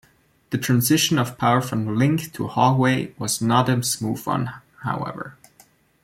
The transition of power from Lynch to Haughey was not a smooth one however.